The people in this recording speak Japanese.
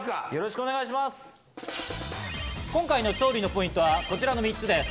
今回の調理のポイントはこちらの３つです。